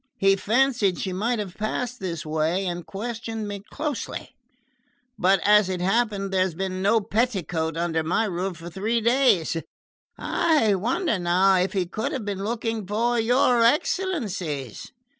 He fancied she might have passed this way and questioned me closely; but as it happened there had been no petticoat under my roof for three days. I wonder, now, if he could have been looking for your excellencies?"